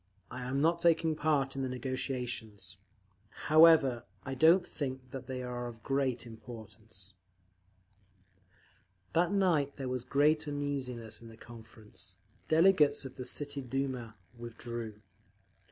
I am not taking part in the negotiations…. However, I don't think that they are of great importance…." That night there was great uneasiness in the Conference. The delegates of the City Duma withdrew….